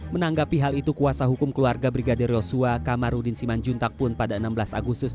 menanggapi hal itu kuasa hukum keluarga brigadir yosua kamarudin simanjuntak pun pada enam belas agustus